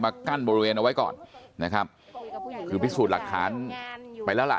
กั้นบริเวณเอาไว้ก่อนนะครับคือพิสูจน์หลักฐานไปแล้วล่ะ